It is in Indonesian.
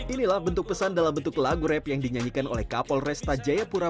inilah bentuk pesan dalam bentuk lagu rap yang dinyanyikan oleh kapol resta jayapura